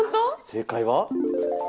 正解は。